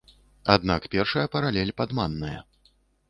Аднак першая паралель падманная.